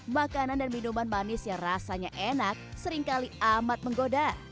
makanan dan minuman manis yang rasanya enak seringkali amat menggoda